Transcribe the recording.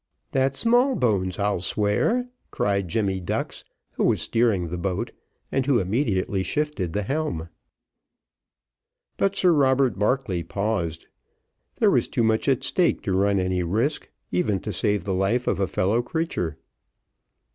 "That's Smallbones, I'll swear," cried Jemmy Ducks, who was steering the boat, and who immediately shifted the helm. But Sir Robert Barclay paused; there was too much at stake to run any risk, even to save the life of a fellow creature.